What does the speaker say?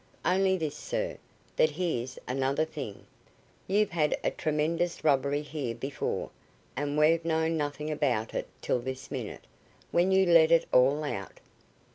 "Only this, sir, that here's another thing. You've had a tremendous robbery here before, and we've known nothing about it till this minute, when you let it all out."